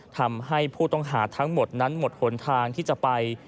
ทำให้ผู้ต้องหาทั้งหมดนั้นหมดหนทางที่จะไป